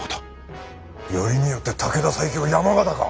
よりによって武田最強山県か！